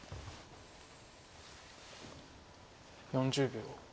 ４０秒。